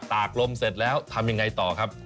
ตากลมเสร็จแล้วทำยังไงต่อครับ